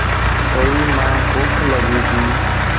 سيءَ مَ ڀوک لڳي تي.